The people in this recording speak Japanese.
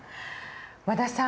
和田さん